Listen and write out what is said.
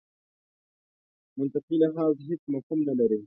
منطقي لحاظ هېڅ مفهوم نه لري.